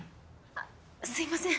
あっすいません